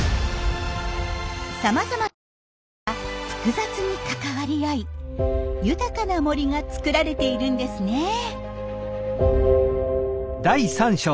さまざまな生きものが複雑に関わり合い豊かな森が作られているんですね。